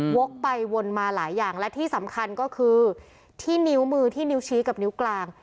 วกไปวนมาหลายอย่างและที่สำคัญก็คือที่นิ้วมือที่นิ้วชี้กับนิ้วกลาง